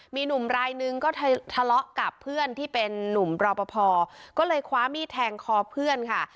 มีหนุ่มรายนึงก็ทะเลาะกับเพื่อนที่เป็นนุ่มรอปภก็เลยคว้ามีดแทงคอเพื่อนค่ะ